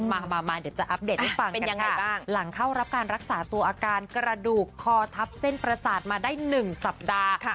มามาเดี๋ยวจะอัปเดตให้ฟังเป็นยังไงบ้างหลังเข้ารับการรักษาตัวอาการกระดูกคอทับเส้นประสาทมาได้๑สัปดาห์